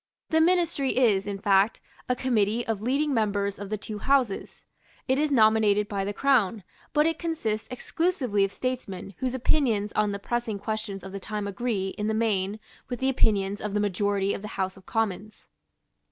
The Ministry is, in fact, a committee of leading members of the two Houses. It is nominated by the Crown; but it consists exclusively of statesmen whose opinions on the pressing questions of the time agree, in the main, with the opinions of the majority of the House of Commons.